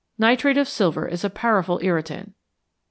= Nitrate of silver is a powerful irritant.